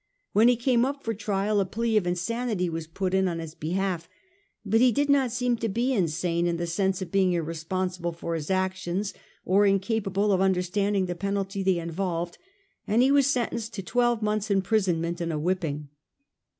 When he came up for trial a plea of insanity was put in on his behalf, but he did not seem to be insane in the sense of being irresponsible for his actions or in capable of understanding the penalty they involved, and he was sentenced to twelve months' imprison ment and a whipping.